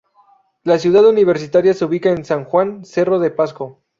La ciudad universitaria se ubica en San Juan, Cerro de Pasco.